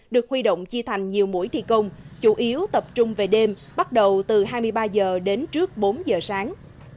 được huy động chia thành nhiều mũi thi công chủ yếu tập trung về đêm bắt đầu từ hai mươi ba h đến trước bốn giờ sáng